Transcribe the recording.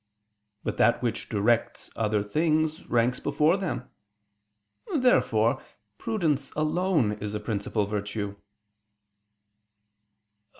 But that which directs other things ranks before them. Therefore prudence alone is a principal virtue. Obj.